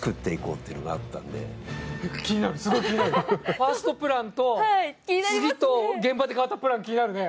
ファーストプランと次と現場で変わったプラン、気になるね。